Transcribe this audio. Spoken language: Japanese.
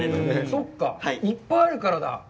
そうか、いっぱいあるからだ。